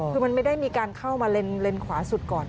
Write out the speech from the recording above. คือมันไม่ได้มีการเข้ามาเลนส์ขวาสุดก่อน